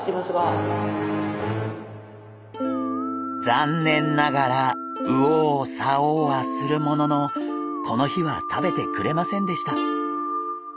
残念ながら右往左往はするもののこの日は食べてくれませんでした。